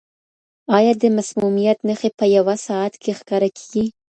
آیا د مسمومیت نښې په یوه ساعت کې ښکاره کیږي؟